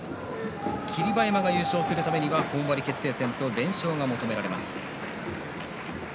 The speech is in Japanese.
霧馬山が優勝するためには本割と決定戦の連勝が求められます。